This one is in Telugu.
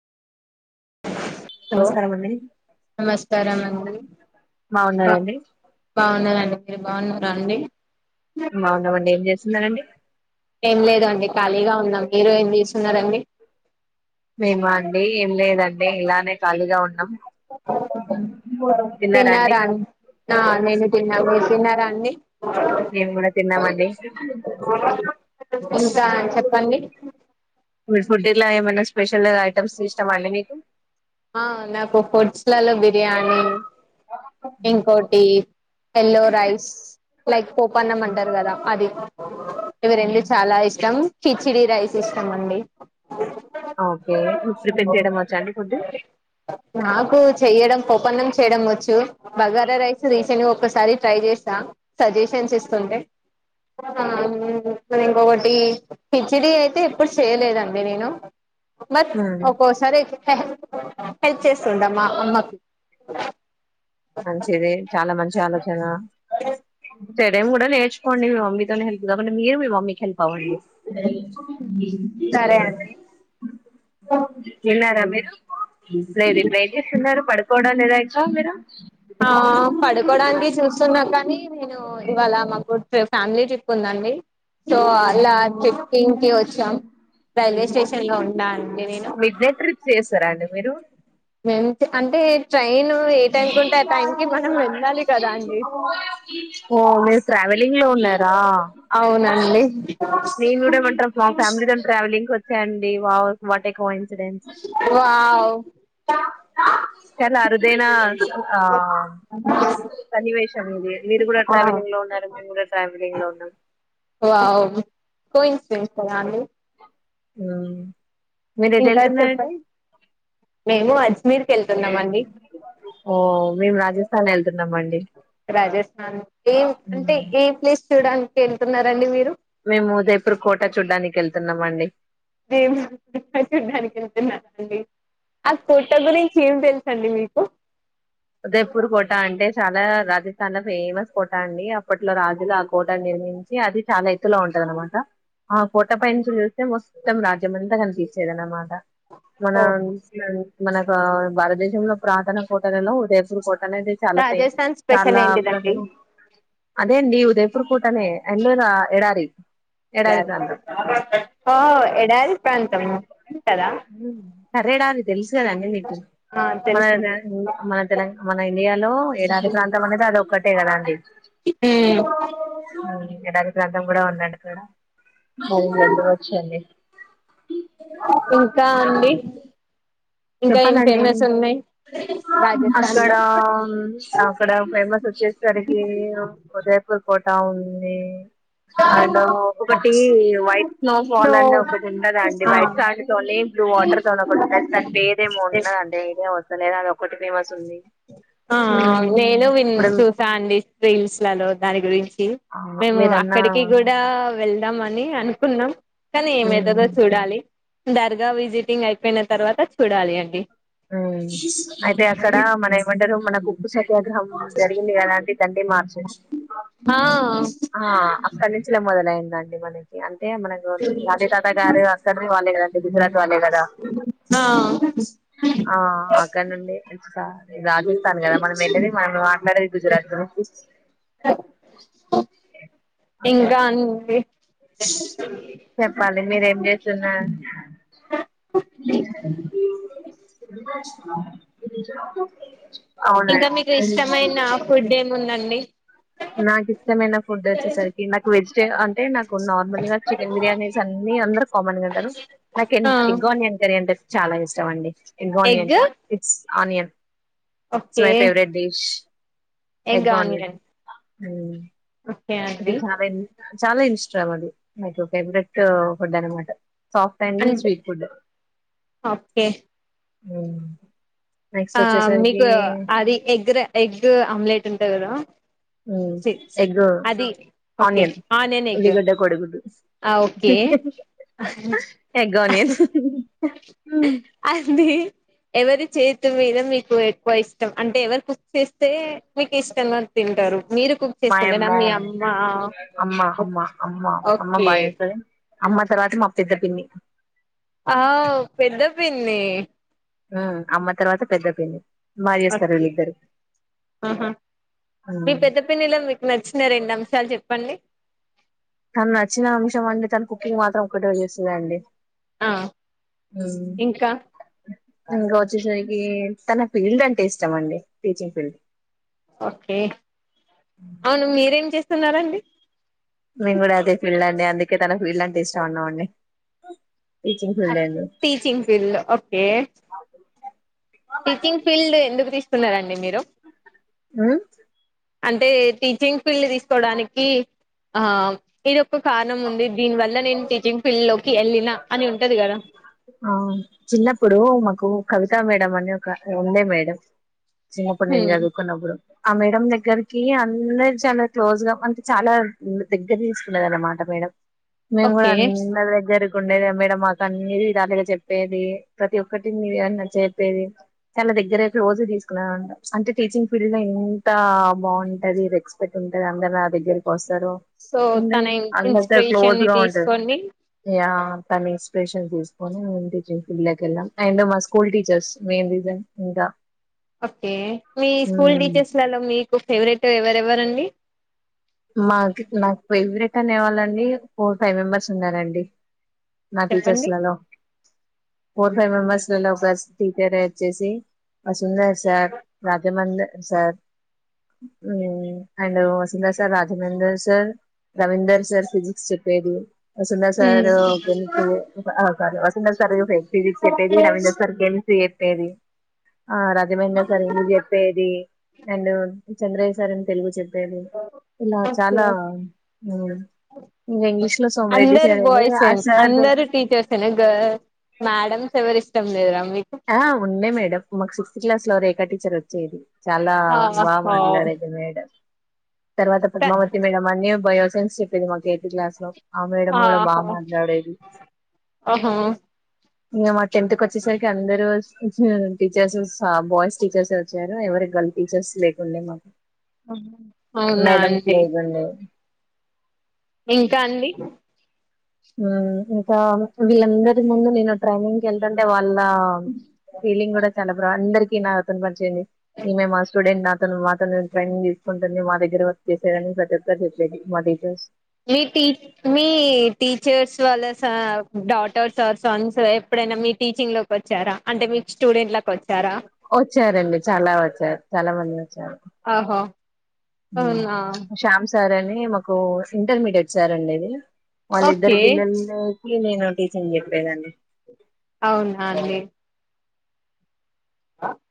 హలో నమస్కారం అండి నమస్కారం అండీ బా బాగున్నారండి బావున్నండి మీరు బావున్నారా అండి బావున్నామండి ఏం చేస్తున్నరాండి ఏం లేదు అండి ఖాళీగా ఉన్నాం మీరు ఏం చెస్తున్నారండి మేమా అండి ఏం లేదండి ఇలానే ఖాళీగా ఉన్నాం తిన్నారా అండి ఆ నేను తిన్నాను మీరు తిన్నారా అండీ మేము కూడా తిన్నామండి ఇంకా చెప్పండి ఫుడ్ లా ఏమైనా స్పెషల్ ఐటమ్స్ ఇష్టం ఆ అండి మీకు ఆ నాకు ఫుడ్స్ లలో బిర్యానీ ఇంకోటి ఎల్లో రైస్ లైక్ పోపన్నం అంటారు కదా అది ఇవి రెండు చాలా ఇష్టం కిచిడి రైస్ ఇష్టం అండి ఓకే మీకు ప్రిపేర్ చేయడం వచ్చా అండి ఫుడ్ నాకు చెయ్యడం పోపన్నం చేయడం వచ్చు బగారా రైస్ రీసెంట్ ఒక్కసారి ట్రై చేసా సజెషన్స్ ఇస్తుంటే ఆ... ఇంకొకటి కిచిడి అయితే ఎప్పుడు చేయలేదండి నేను మత్ మ్మ్. ఒక్కోసారి హె హెల్ప్ చేస్తుందా మా అమ్మకి మంచిది చాలా మంచి ఆలోచన చెయడం కూడా నేర్చు పొండి మీ మమ్మీ తో నే హెల్ప్ నార మీరు మీ మమ్మీ కి హెల్ప్ అవ్వండి సరే అండి తిన్నారా మీరు లేదు ఇప్పుడు ఏం చేస్తున్నారు పడుకోడం లేదా ఇకా మీరు ఆ పడుకోడానికె చూస్తున్నా కానీ నేను ఇవాళ మా గో ఫ్యామిలీ ట్రిప్ ఉందండి సో అలా ట్రిప్ కింకి వచ్చాం రైల్వే స్టేషన్ లో ఉన్నా అండి నేను చేసారా అండి మీరు అంటే ట్రైన్ ఏ టైంకి ఉంటే ఆ టైం కి మనం వెళ్ళాలి కదా అండి ఓ మీర్ ట్రె లీవ్ లో ఉన్నారా అవునండి మేము గూడా ఫ్యామిలీ తోని ట్రావెలింగ్ కండి వావ్ వాటే కోయి వావ్ చాలా అరుదేనా ఆ సన్నివేశం ఇది మీరు కూడా వావ్ ట్రావెలింగ్ లో ఉన్నారు మేము కూడా ట్రావెలింగ్ ఇలా ఉన్నం వావ్ కోయిన్సిడెన్స్ కదా అండి మ్మ్ మీరు ఎటు ఇంకా చెప్పం వెళ్తున్నారండి మేము అజ్మీర్ కెల్తున్నాం అండి ఓ మేము రాజస్థాన్ ఎళ్తున్నాం అండి రాజస్థాన్ కి ఏం అంటే ఏ ప్లేస్ చూడనికి ఎళ్తున్నారండి మీరు ఎళ్తున్నాం అండి దేవుణి చూడ్డానికి వెళ్తున్నాండి ఆ కోట గురించి ఏం తె అండి మీకు ఉదయపూర్ కోట అంటే చాలా రాజస్థాన్ లో ఫేమస్ కోట అండి అప్పట్లో రాజులు ఆ కోట న నించి అది చాలా ఎత్తులో ఉంటది అనమాట ఆ కోట పైనుంచి చూస్తే మొత్తం రాజ్యమంతా కనిపించేదన్నమాట మన ఓహో మనకు భారతదేశంలో ప్రాతన కోటలలో ఇడు కోట అనేది చాలా పే రాజస్థాన్ స్పెషల్ చాలా ఏంటిదండి ప్రాధీనం అదేండి ఉదయపూర్ కోటనే ఎందుర ఎడారి ఎడారి ప్రాంతం ఓ ఎడారి ప్రాంతము సరేడాది తెలుసు కదండీ మీకు ఆ మన తెలుసండి మన తెలం మన ఇండియాలో ఏడారీ ప్రాంతం అనేది అది ఒక్కటే కదా అండి మ్మ్ ఎడారి ప్రాంత తం కూడా ఉన్నాడు ఇక్కడ మరి ఎందుకు వచ్చింది ఇంకా అండి ఇంకా ఏం చెప్పాలండి ఫేమస్ ఉన్నయి అక్కడ అక్కడ ఫేమస్ వచ్చేసరికి జయపూర్ కోట ఉంది అండ్ ఒకటి వైట్ స్నో ఫాల్ అనే ఒకటి ఉంటదండి ఆ వైట్ సాండ్ తోని బ్లూ వాటర్ తోనీ దానీ పేరు ఏమి వున్నదండి ఐడియా వస్తలే అది ఒకటి ఫేమస్ ఉంది ఆ ఉమ్ నేను విన్ ఇప్పుడు చూసా అండి రీల్ లో దాని గురించి మేము మీరన్నా అక్కడికి కూడా వెళ్దామని అనుకున్నాం కానీ ఏమైతదో ఉమ్ చూడాలి దర్గా విజిటింగ్ అయిపోయిన తర్వాత చూడాలి అండి అయితే అక్కడ మన ఏమంటారు మన బొగ్గు స వియాగ్రహం జరిగింది కదా అండి దాన్ని మార్చే ఆ ఆ అక్కడ నుంచిలే మొదలైందండి మనకి అ అ మన గాంధీ తాత గారు అక్కడ వాళ్ళే కదండి గుజరాత్ వాళ్ళే కదా ఆ ఆ అక్కడ నుండి మంచి రాజస్తాను కదా మనం వెంటనే మనం మాట్లాడే గుజరాత్ ఓకే ఇంకా ఓకే అండి చెప్పాలి మీరేం చేస్తున్నారు [inaudible] ఇంకా మీకు ఇష్టమైన ఫుడ్ ఏముందండి నాకు ఇష్టమైన ఫుడ్ వచ్చేసరికి నాకు వెజిటే అంటే నాకు నార్మల్ గా చికెన్ బిర్యానీస్ అనీ మీ అందరు కామన్ గా అంటారు నాకు ఎ ఆ ఎగ్ ఆనియన్ కర్రీ అంటే చాలా ఇష్టం అండి egg onion it's onion it's okay my favourite dish egg onion ఆ ఓకే అది అండి చాలా ఇ చాలా ఇష్టం అది మకు ఫేవరెట్ ఫుడ్ అనమాట సాఫ్ట్ అండ్ అంటే స్వీట్ ఫుడ్ ఓకే నెక్స్ట్ ఆ వచ్చేసరికి మీకు అది ఎగ్ రైఎగ్ ఆమ్లెట్ ఉంటది కదా ఉమ్ ఎగ్గు ఒకే ఆనియన్ ఎగ్గు కోడిగుడ్డు ఆ ఒకే ఎగ్ ఆనియన్ అండి ఎవరి చే క్ మీద మీకు ఎక్కువ ఇష్టం అంటే ఎవరు కుక్ చేస్తే మీకు ఇష్టంగా తింటారు మీరు కుక్ చేసుకుంటేనా మాయమ్మ మీ అమ్మ అమ్మా అమ్మా అమ్మా అమ్మా ఓకే బయంటది అమ్మ తర్వాత మా పెద్ద పిన్ని ఆ పెద్ద పిన్ని అమ్మ తర్వాత పెద్ద పిన్ని బాగా చేస్తారు ఓకే వీళ్లు ఇద్దరు ఆహా మీ పెద్ద పిన్నిలో మీకు నచ్చిన రెండు అంశాలు చెప్పండి తను నచ్చిన అంశం అండి తన కుకింగ్ మాత్రం ఒకటో చేస్తుంద అండి ఆ ఇంకా ఇంకా వచ్చేసరికే తన ఫీల్డ్ అంటే ఇష్టం అండి టీచింగ్ ఫీల్డ్ ఓకే అవును మీరేం చేస్తున్నారండి ఇలాంటి ఇష్టం ఉన్నావండి టీచింగ్ ఫీల్డ్ లో ఓకే టీచింగ్ ఫీల్డ్ ఎందుకు తీసుకున్నారండి మీరు ఉమ్ అంటే టీచింగ్ ఫీల్డ్ తీసుకోడానికి ఆ ఇది కారణం ఉంది దీని వల్ల నేను టీచింగ్ ఫీల్డ్ లోకి వెళ్ళిన అని ఉంటది కదా ఆ చిన్నప్పుడు కు కవిత మేడం అని ఒక ఉండే మేడం చిన్నప్పుడు నేను హ్మ్ చదువుకున్నప్పుడు ఆ మేడం దగ్గరకి అందరు చాలా క్లోజ్ గా అంటే చాలా దగ్గర తీసుకున్నది అన్నమాట ఆ మేడం మేము కూడా ఓకే అందరి దగ్గరక్ కుండేద మేడం మాకు అన్నీ విధాలుగా చెప్పేది ప్రతి ఒక్కటిని ఏ చెప్పేది చ దగ్గరే క్లోజ్గా తీసుకు అంటే టీచింగ్ ఫీల్డ్ లో ఎంత బాగుంటది రెస్పెక్ట్ ఉంటది అందరు నా దగ్గరకి వస్తారు సో తన అందరు అందరితో ఇన్స్పిరేషన్ క్లోజ్ ని గా ఉంటది తీసుకోండి యా తన ఇన్స్పిరేషన్ తీసుకొని టీచింగ్ ఫీల్డ్ లోకి వెళ్ళాం అండ్ మా స్కూల్ టీచర్స్ మెయిన్ రీజన్ ఇంకా ఓకే మీ స్కూల్ టీచర్స్లలో మీకు ఫేవరెట్ ఎవరెవరండి మాకు నాకు ఫేవరెట్ అనేవాళ్ళండి ఫోర్ ఫైవ్ మెంబర్స్ ఉన్నారండి నా చెప్పండి టీచర్స్లలో ఫోర్ ఫైవ్ మెంబర్స్ లలో ఒక టీచర్ చ్చేసి Sundar sir రాజమంది sir um and Vasudha sir sir Raghavender sir Ravinder sir physics చెప్పేది వసుంధ సార్ ఎ స వసుంధ సార్ ఫిజిక్స్ చెప్పేది రవీంద్ర సార్ కెమిస్ ట్రై చెప్పేది ఆ రాఘవేంద్ర సార్ ఇందు చెప్పేది అండ్ చంద్రయ్య సార్ అని తెలుగు చెప్ పెదు ఇలా ఓకే చాలా ఇంకా ఇంగ్లీష్ లో సోమిరెడ్డి అందరు సార్ అండి బాయ్స్ ఆ సార్ దగ్గ- అందరు టీచర్స్ గర్ల్స్ మ్యాడమ్స్ ఎవరు ఇష్టం లేరా ఆ ఉండే మేడంమ్ మాకు సిక్స్త్ క్లాస్ లో రేకా టీచర్ వచ్చేది చాలా బాగా ఆహో మాట్లాడేది మేడం తర్వాత పద్మావతి మేడం అన్ని బయోసైన్స్ చెప్పేది మాకు ఎయిత్ క్లాస్ లో ఆ మేడం కూడా బాగా ఆహో మాట్లాడేది ఓహో ఇంగా మా టెన్త్ కోచ్చేసరికి కందారు టీచర్స్ బాయ్స్ టీచర్స్ వచ్చారు ఎవరి గర్ల్ టీచర్స్ లేకుండే మాకు అవునా మెడమ్స్ అండి లేగంలో ఇంకా అండి ఉమ్ ఇంకా వీళ్ళందరి ముందు నేను ట్రైనింగ్కి వెళ్తుంటే వాళ్ళు ఆ ఫీలింగ్ కూడా చాలా బ్రా అందరికి నా అత్తను పనిచేయంది ఈ మే మా స్టూడెంట్ నాతోను మాతోను ట్రైనింగ్ తీసుకుంటుంది మా దగ్గర మీరు వర్క్ చేశారని ప్రతి ఒక్కరికి [unintelligible] మీ టీ మీ టీచర్స్ వాళ్ళ డాటర్స్ ఆ సన్స్ ఎప్పుడైనా మీ టీచింగ్ లోకి వచ్చారా అంటే మీకు స్టూడెంట్ లా వచ్చా వచ్చారండి చాలా వచ్చారు చాలా మంది వచ్చారు ఆహో అవునా శ్యామ్ సార్ అని మాకు ఇంటర్మీడియట్ సార్ అండేది వాళ్ళిద్దరు ఓకే పిల్లలకి నేను టీచింగ్ చెప్పేదాన్ని అవునా అండి ఆ